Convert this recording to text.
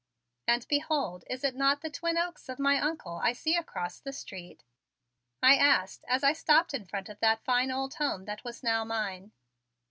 "And behold, is it not the Twin Oaks of my Uncle I see across the street?" I asked as I stopped in front of that fine old home that was now mine.